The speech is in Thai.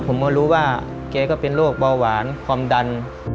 มารู้ว่าแกก็เป็นโรคเบาหวานความดัน